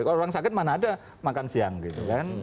kalau orang sakit mana ada makan siang gitu kan